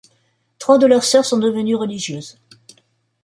Trois de leurs sœurs sont devenues religieuses.